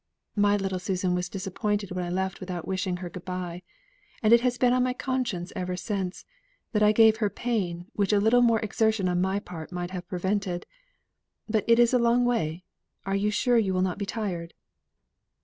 "My little Susan was disappointed when I left without wishing her good bye; and it has been on my conscience ever since, that I gave her pain which a little more exertion on my part might have prevented. But it is a long way. Are you sure you will not be tired?"